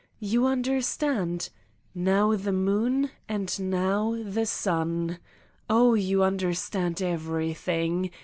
You understand: now the moon and now the sun? Oh, you understand every thing.